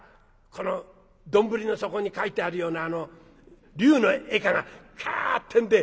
この丼の底に描いてあるような竜の絵がかってんで」。